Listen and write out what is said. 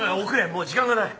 もう時間がない！